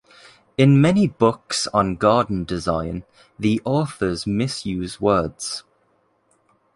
In many books on garden design the authors misuse words.